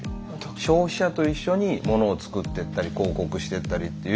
消費者と一緒にものを作ってったり広告してったりという。